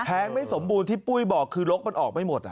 ไม่สมบูรณ์ที่ปุ้ยบอกคือลกมันออกไม่หมด